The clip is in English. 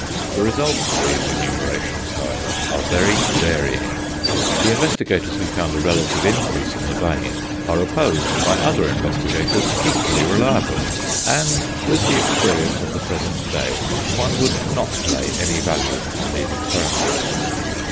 The results of these enumerations however are very varying; the investigators who found a relative increase in the vein are opposed by other investigators equally reliable; and with the experience of the present day one would not lay any value on these experiments.